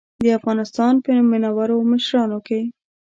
د افغانستان په منورو مشرانو کې.